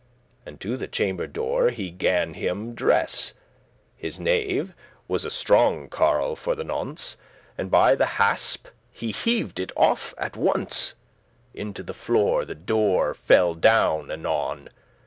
And to the chamber door he gan him dress* *apply himself. His knave was a strong carl for the nonce, And by the hasp he heav'd it off at once; Into the floor the door fell down anon.